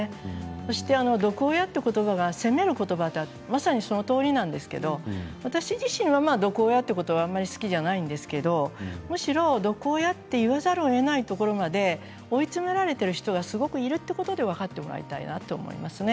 そして毒親という言葉が責める言葉まさにそのとおりなんですけれど私自身は毒親という言葉あまり好きではないんですけれどむしろ毒親と言わざるを得ないところまで追い詰められている人がすごくいるというところは分かってもらいたいと思います。